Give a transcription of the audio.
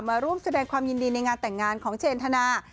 มาร่วมแสดงความยินดีในงานแต่งงานของเจนธนา